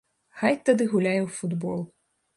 Хай тады гуляе ў футбол.